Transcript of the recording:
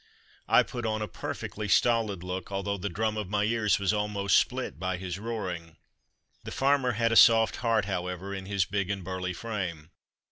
I put on a perfectly stolid look although the drum of my ears was almost split by his roaring. The farmer had a soft heart, however, in his big and burly frame.